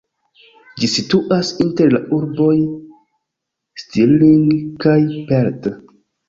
Ĝi situas inter la urboj Stirling kaj Perth.